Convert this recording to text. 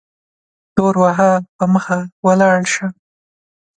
تور وهه په مخه ولاړ سه